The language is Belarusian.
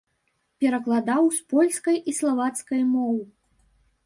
Перакладаў з польскай і славацкай моў.